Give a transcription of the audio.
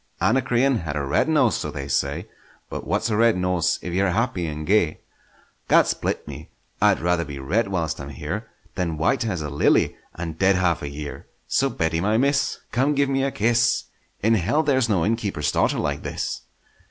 Anacreon had a red nose, so they say; But what's a red nose if ye're happy and gay? Gad split me! I'd rather be red whilst I'm here, Than white as a lily—and dead half a year! So Betty, my miss, Come give me a kiss; In hell there's no innkeeper's daughter like this!